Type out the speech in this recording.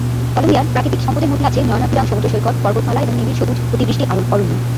কলম্বিয়ার প্রাকৃতিক সম্পদের মধ্যে আছে নয়নাভিরাম সমুদ্র সৈকত, পর্বতমালা এবং নিবিড় সবুজ অতিবৃষ্টি অরণ্য।